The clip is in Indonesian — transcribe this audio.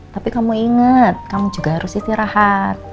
tapi kamu ingat kamu juga harus istirahat